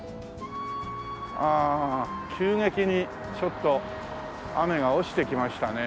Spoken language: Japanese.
ああ急激にちょっと雨が落ちてきましたね。